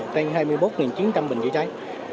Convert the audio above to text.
trên hai mươi một chín trăm linh bình chữa cháy